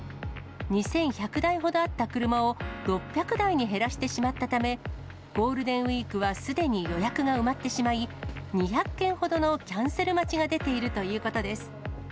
２１００台ほどあった車を、６００台に減らしてしまったため、ゴールデンウィークはすでに予約が埋まってしまい、２００件ほどのキャンセル待ちが出ているということです。